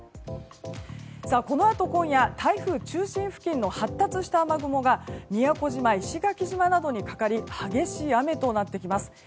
このあと今夜台風中心付近の発達した雨雲が宮古島、石垣島などにかかり激しい雨となってきます。